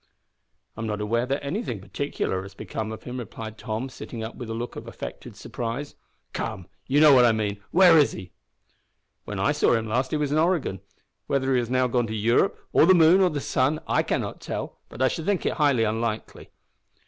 "I'm not aware that anything particular has become of him," replied Tom, sitting up with a look of affected surprise. "Come, you know what I mean. Where is he?" "When I last saw him he was in Oregon. Whether he has now gone to Europe or the moon or the sun I cannot tell, but I should think it unlikely."